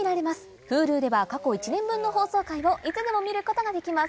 Ｈｕｌｕでは過去１年分の放送回をいつでも見ることができます